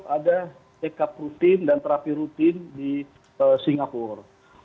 ada take up rutin dan terapi rutin di singapura